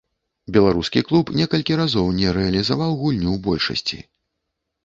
Беларускі клуб некалькі разоў не рэалізаваў гульню ў большасці.